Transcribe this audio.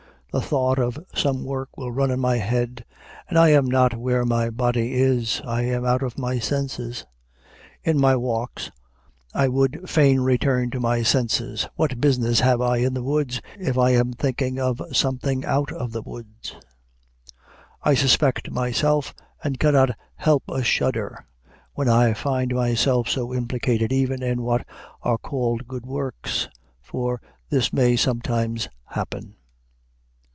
The thought of some work will run in my head, and I am not where my body is, I am out of my senses. In my walks I would fain return to my senses. What business have I in the woods, if I am thinking of something out of the woods? I suspect myself, and cannot help a shudder, when I find myself so implicated even in what are called good works, for this may sometimes happen.